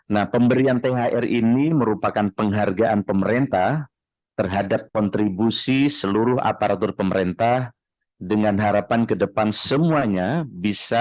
nah pemberian thr ini merupakan penghargaan pemerintah terhadap kontribusi seluruh aparatur pemerintah dengan harapan ke depan semuanya bisa